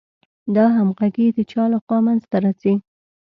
دا همغږي د چا له خوا منځ ته راځي؟